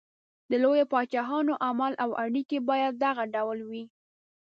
د لویو پاچاهانو عمل او اړېکې باید دغه ډول وي.